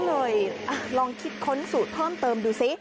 ก็เลยลองคิดค้นสูตรเพิ่มเติมดูซิ